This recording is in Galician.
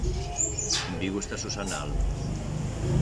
En Vigo está Susana Álvarez.